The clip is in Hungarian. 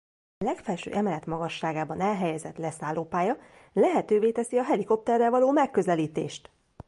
A legfelső emelet magasságában elhelyezett leszállópálya lehetővé teszi a helikopterrel való megközelítést.